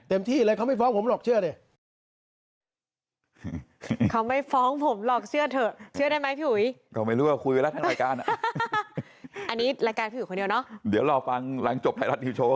ที่เลยเขาไม่ฟ้องผมหรอกเชื่อดิ